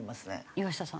岩下さん。